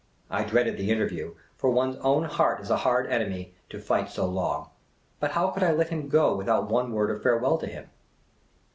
I dreaded the interview ; for one's own heart is a hard enemy to fight so long ; but how could I let him go without one word of farewell to him